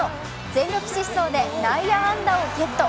全力疾走で内野安打をゲット。